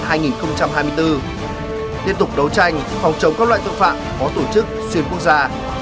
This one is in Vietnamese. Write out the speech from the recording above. tiếp tục đấu tranh phòng chống các loại tội phạm có tổ chức xuyên quốc gia